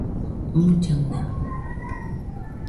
mullaɨna